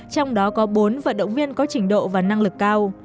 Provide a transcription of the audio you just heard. trong đó có bốn vận động viên có trình độ và năng lực cao